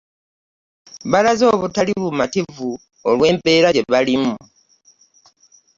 Balaze obutali bumativu olw'embeera gye balimu.